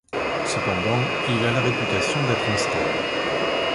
Cependant, il a la réputation d’être instable.